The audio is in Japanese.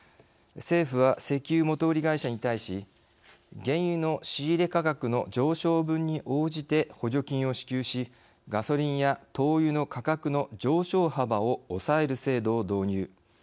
政府は石油元売会社に対し原油の仕入れ価格の上昇分に応じて補助金を支給しガソリンや灯油の価格の上昇幅を抑える制度を導入。